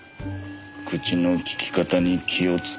口の利き方に気をつけなさい。